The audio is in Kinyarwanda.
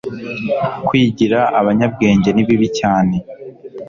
kwigira abanyabwenge nibibi cyane